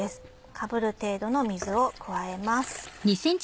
かぶる程度の水を加えます。